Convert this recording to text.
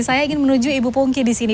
saya ingin menuju ibu pungki di sini